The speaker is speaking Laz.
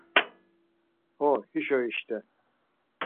Ho, hişo işt̆e.